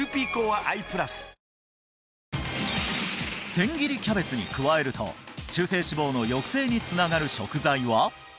千切りキャベツに加えると中性脂肪の抑制につながる食材は？